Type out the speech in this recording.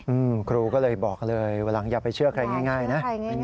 อืมครูก็เลยบอกเลยเวลาอย่าไปเชื่อใครง่ายนะ